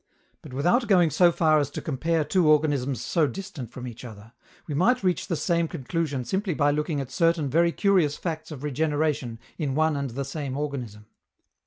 But, without going so far as to compare two organisms so distant from each other, we might reach the same conclusion simply by looking at certain very curious facts of regeneration in one and the same organism.